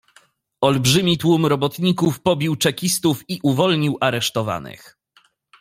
"Olbrzymi tłum robotników pobił czekistów i uwolnił aresztowanych."